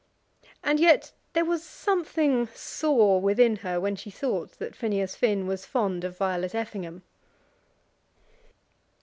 And yet there was something sore within her when she thought that Phineas Finn was fond of Violet Effingham.